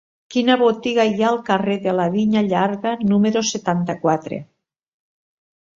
Quina botiga hi ha al carrer de la Vinya Llarga número setanta-quatre?